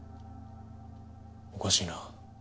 おかしいな。